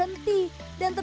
pinti nya itu